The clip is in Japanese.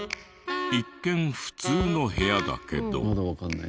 一見普通の部屋だけど。